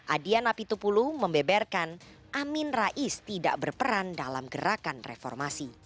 adian apitupulu membeberkan amin rais tidak berperan dalam gerakan reformasi